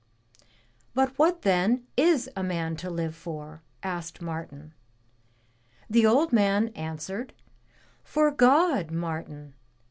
'* But what then is a man to live for?" asked Martin. The old man answered, *Tor God, Martin!